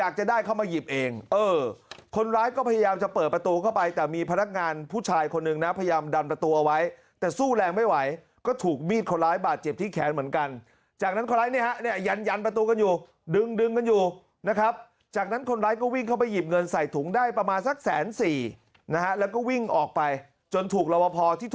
จะได้เข้ามาหยิบเองเออคนร้ายก็พยายามจะเปิดประตูเข้าไปแต่มีพนักงานผู้ชายคนหนึ่งนะพยายามดันประตูเอาไว้แต่สู้แรงไม่ไหวก็ถูกมีดคนร้ายบาดเจ็บที่แขนเหมือนกันจากนั้นคนร้ายเนี่ยฮะเนี่ยยันยันประตูกันอยู่ดึงดึงกันอยู่นะครับจากนั้นคนร้ายก็วิ่งเข้าไปหยิบเงินใส่ถุงได้ประมาณสักแสนสี่นะฮะแล้วก็วิ่งออกไปจนถูก